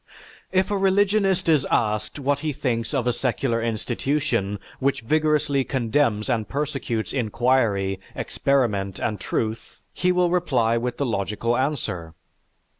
If a religionist is asked what he thinks of a secular institution which vigorously condemns and persecutes inquiry, experiment, and truth, he will reply with the logical answer.